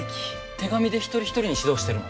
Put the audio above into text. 手紙で一人一人に指導してるの？